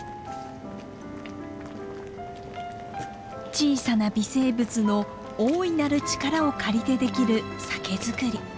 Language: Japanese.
小さな微生物の大いなる力を借りてできる酒造り。